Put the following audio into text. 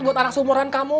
buat anak seumuran kamu